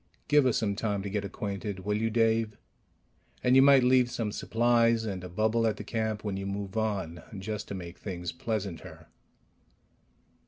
"Give us some time to get acquainted, will you, Dave? And you might leave some supplies and a bubble at the camp when you move on, just to make things pleasanter."